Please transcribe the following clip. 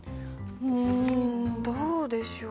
んどうでしょう。